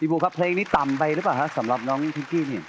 บูครับเพลงนี้ต่ำไปหรือเปล่าฮะสำหรับน้องพิงกี้นี่